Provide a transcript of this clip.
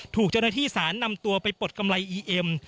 ถูกเจ้าระชิตศาลนำตัวไปปดกำไรอีเอ็ม